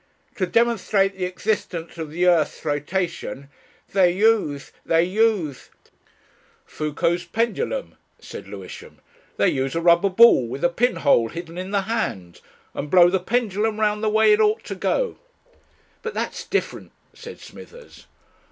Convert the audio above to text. To demonstrate the existence of the earth's rotation. They use they use " "Foucault's pendulum," said Lewisham. "They use a rubber ball with a pin hole hidden in the hand, and blow the pendulum round the way it ought to go." "But that's different," said Smithers.